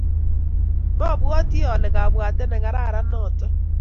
mobwoti ale kabwate nekararan noto